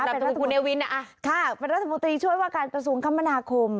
เป็นรัฐมนตรีช่วยการประสูงคมภาคม